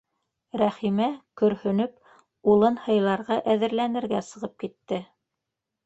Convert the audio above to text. — Рәхимә, көрһөнөп, улын һыйларға әҙерләнергә сығып китте.